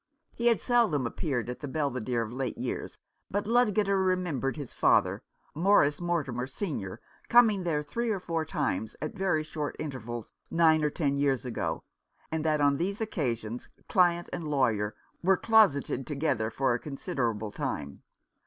He had seldom appeared at the Belvidere of late years, but Ludgater remembered his father, Morris Mortimer, senior, coming there three or four times at very short intervals nine or ten years ago, and that on these occasions client and lawyer were closeted together for a considerable time.